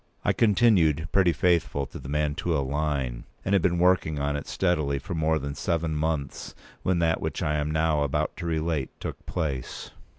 I continued pretty faithful to the Mantua line, and had been working on it steadily for more than seven months when that which I am now about to relate took place.